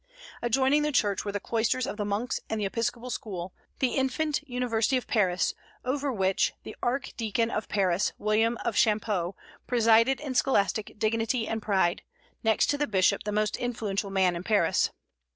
Adjoining the church were the cloisters of the monks and the Episcopal School, the infant university of Paris, over which the Archdeacon of Paris, William of Champeaux, presided in scholastic dignity and pride, next to the bishop the most influential man in Paris.